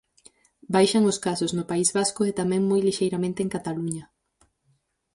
Baixan os casos no País Vasco e tamén moi lixeiramente en Cataluña.